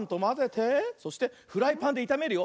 そしてフライパンでいためるよ。